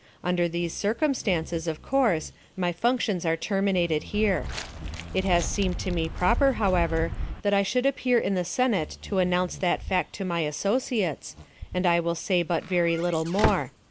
Under these circumstances, of course, my functions are terminated here. It has seemed to me proper, however, that I should appear in the Senate to announce that fact to my associates, and I will say but very little more.